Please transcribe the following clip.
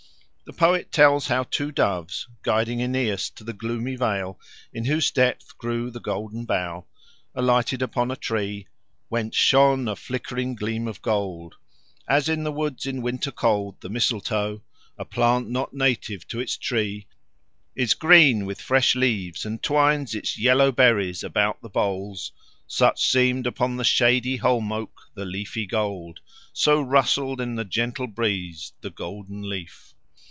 The poet tells how two doves, guiding Aeneas to the gloomy vale in whose depth grew the Golden Bough, alighted upon a tree, "whence shone a flickering gleam of gold. As in the woods in winter cold the mistletoe a plant not native to its tree is green with fresh leaves and twines its yellow berries about the boles; such seemed upon the shady holm oak the leafy gold, so rustled in the gentle breeze the golden leaf."